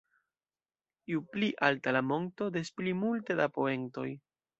Ju pli alta la monto, des pli multe da poentoj.